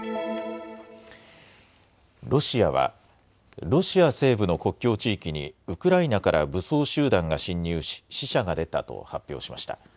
ロシアはロシア西部の国境地域にウクライナから武装集団が侵入し死者が出たと発表しました。